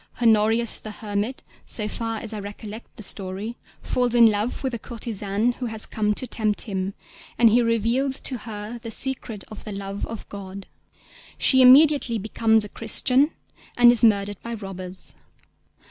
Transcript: _ Honorius the hermit, so far as I recollect the story, falls in love with the courtesan who has come to tempt him, and he reveals to her the secret of the love of God. She immediately becomes a Christian, and is murdered by robbers.